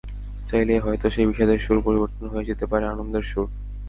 চাইলেই হয়তো সেই বিষাদের সুর পরিবর্তন হয়ে যেতে পারে আনন্দের সুর।